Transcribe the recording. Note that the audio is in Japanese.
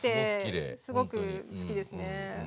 すごく好きですね。